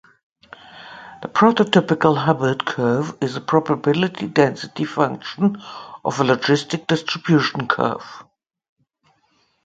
The prototypical Hubbert curve is a probability density function of a logistic distribution curve.